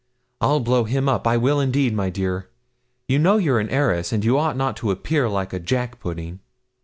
_ I'll blow him up I will indeed, my dear. You know you're an heiress, and ought not to appear like a jack pudding.'